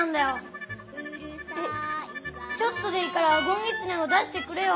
ちょっとでいいから「ごんぎつね」を出してくれよ。